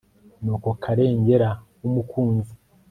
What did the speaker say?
ni uko karengera w'umukunzi